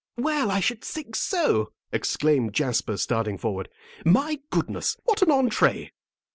"Well, I should think so!" exclaimed Jasper, starting forward. "My goodness! What an entrée."